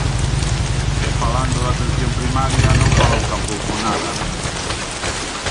E falando da atención primaria, non falou tampouco nada.